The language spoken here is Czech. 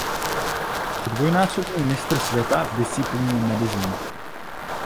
Je dvojnásobný mistr světa v disciplíně Madison.